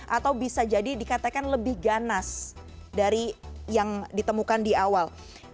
atau bisa jadi dikatakan lebih ganas dari yang ditemukan di awal